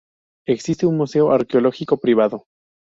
Existe un Museo Arqueológico Privado.